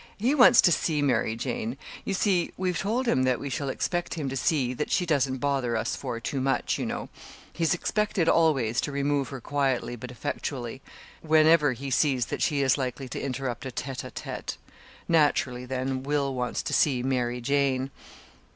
"He wants to see Mary Jane. You see we've told him that we shall expect him to see that she doesn't bother us four too much, you know. He's expected always to remove her quietly but effectually, whenever he sees that she is likely to interrupt a tête á tête. Naturally, then, Will wants to see Mary Jane."